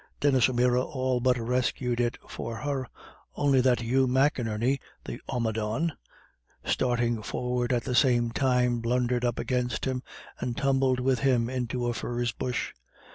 Denis O'Meara all but rescued it for her, only that Hugh McInerney the omadhawn starting forward at the same time, blundered up against him, and tumbled with him into a furze bush.